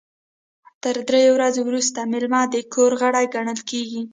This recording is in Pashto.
تر دریو ورځو وروسته میلمه د کور غړی ګڼل کیږي.